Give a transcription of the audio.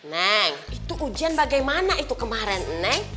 neng itu ujian bagaimana itu kemarin neng